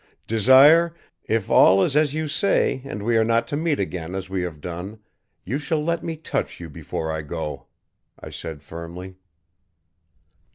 "Desire, if all is as you say and we are not to meet again as we have done, you shall let me touch you before I go," I said firmly.